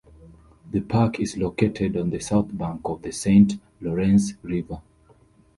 The park is located on the south bank of the Saint Lawrence River.